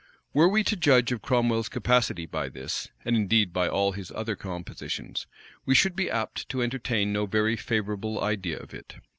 {1655.} Were we to judge of Cromwell's capacity by this, and indeed by all his other compositions, we should be apt to entertain no very favorable idea of it.